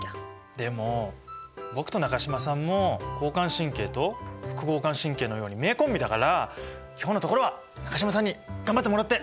でも僕と中島さんも交感神経と副交感神経のように名コンビだから今日のところは中島さんに頑張ってもらって！